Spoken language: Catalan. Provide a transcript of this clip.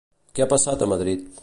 Què ha passat a Madrid?